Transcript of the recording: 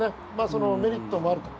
そのメリットもあると。